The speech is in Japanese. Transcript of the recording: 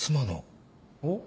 おっ？